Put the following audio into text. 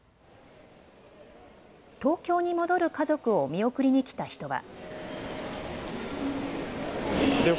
東京に戻る家族を見送りに来た人は。